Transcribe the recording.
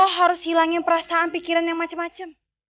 put lo harus hilangin perasaan pikiran yang macem macem